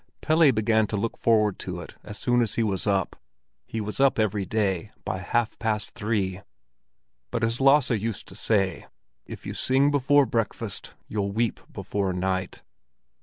Pelle began to look forward to it as soon as he was up—he was up every day by half past three. But as Lasse used to say, if you sing before breakfast you'll weep before night.